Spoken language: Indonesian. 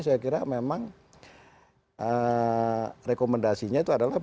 saya kira memang rekomendasinya itu adalah